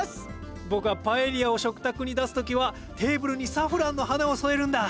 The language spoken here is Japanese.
僕はパエリアを食卓に出す時はテーブルにサフランの花を添えるんだ。